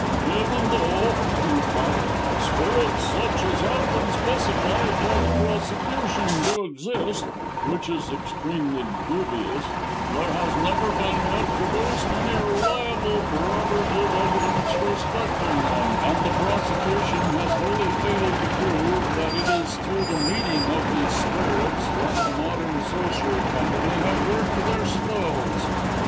"Even though," he remarked, "spirits such as have been specified by the prosecution do exist which is extremely dubious there has never yet been produced any reliable corroborative evidence respecting them, and the Prosecution has wholly failed to prove, that it is through the medium of these spirits, that the Modern Sorcery Company have worked their spells.